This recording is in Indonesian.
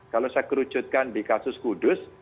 kalau saya kerucutkan di kasus kudus